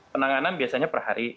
penanganan biasanya perhari